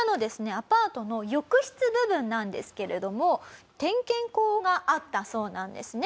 アパートの浴室部分なんですけれども点検口があったそうなんですね。